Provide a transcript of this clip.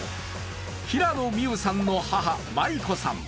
平野美宇さんの母・真理子さん